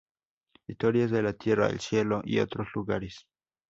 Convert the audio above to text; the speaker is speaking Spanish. Historias de la tierra, el cielo y otros lugares.